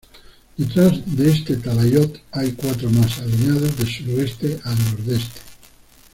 Detrás de este talayot, hay cuatro más, alineados de suroeste a nordeste.